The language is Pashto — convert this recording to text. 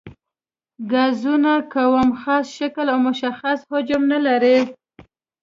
ګازونه کوم خاص شکل او مشخص حجم نه لري.